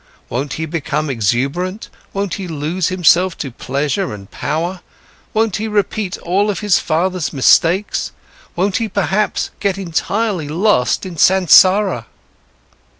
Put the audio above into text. Won't he become exuberant, won't he lose himself to pleasure and power, won't he repeat all of his father's mistakes, won't he perhaps get entirely lost in Sansara?"